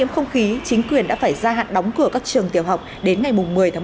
không khí chính quyền đã phải ra hạn đóng cửa các trường tiểu học đến ngày một mươi tháng một mươi một